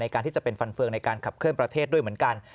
การที่จะเป็นฟันเฟืองในการขับเคลื่อนประเทศด้วยเหมือนกัน